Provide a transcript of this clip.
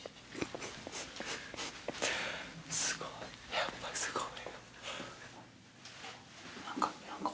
やっぱすごいわ。